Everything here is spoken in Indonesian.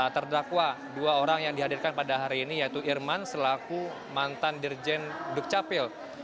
terdakwa dua orang yang dihadirkan pada hari ini yaitu irman selaku mantan dirjen dukcapil